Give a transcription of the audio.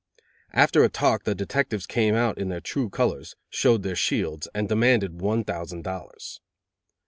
After a talk the detectives came out in their true colors, showed their shields, and demanded one thousand dollars.